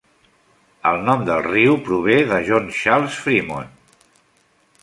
El nom del riu prové de John Charles Fremont.